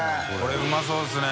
海うまそうですね